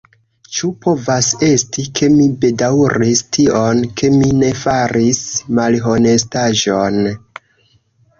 Ĉu povas esti, ke mi bedaŭris tion, ke mi ne faris malhonestaĵon?